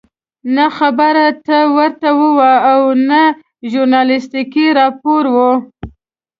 نه خبر ته ورته وو او نه ژورنالستیکي راپور وو.